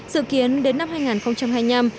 sự kiến đến năm hai nghìn hai mươi năm